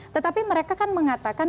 tetapi mereka kan mengatakan